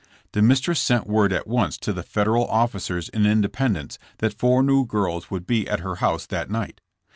The mistress sent word at once to the Federal officers in Independence that four new girls would be at her house that night.